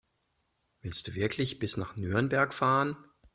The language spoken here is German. Willst du wirklich bis nach Nürnberg fahren?